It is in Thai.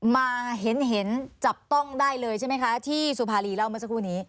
มาเห็นเห็นจับต้องได้เลยใช่ไหมคะที่สุภารีเล่าเมื่อสักครู่นี้